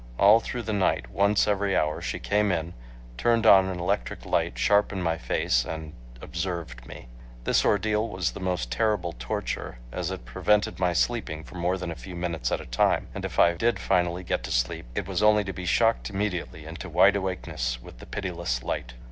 All through the night, once every hour she came in, turned on an electric light sharp in my face, and "observed" me. This ordeal was the most terrible torture, as it prevented my sleeping for more than a few minutes at a time. And if I did finally get to sleep it was only to be shocked immediately into wide awakeness with the pitiless light.